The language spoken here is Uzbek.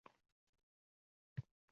Bir kuni juda yig‘laganman.